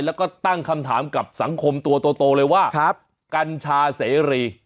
แล้วก็ตั้งคำถามกับสังคมตัวโตเลยว่ากัญชาเสรี